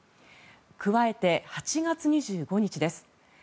加えて、８月２５日です。